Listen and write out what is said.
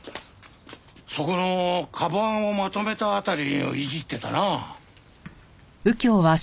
そこの鞄をまとめた辺りをいじってたな。